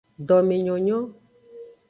Domenyonyo.